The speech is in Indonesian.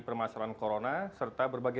permasalahan corona serta berbagai